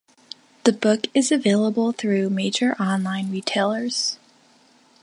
The book is available through major online retailers.